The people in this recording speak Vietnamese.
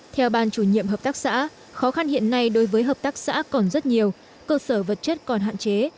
theo ban chủ nhiệm hợp tác xã khó khăn hiện nay đối với hợp tác xã còn rất nhiều cơ sở vật chất còn hạn chế